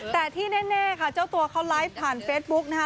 แต่ที่แน่ค่ะเจ้าตัวเขาไลฟ์ผ่านเฟซบุ๊กนะคะ